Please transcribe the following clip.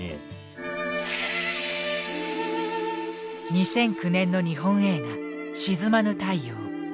２００９年の日本映画「沈まぬ太陽」。